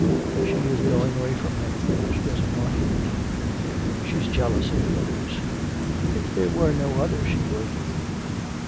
'She is going away from him. She doesn't want him.' 'She's jealous of the others. If there were no other she would.'